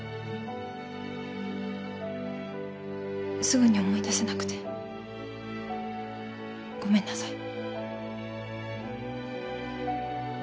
すぐに思い出せなくてごめんなさい。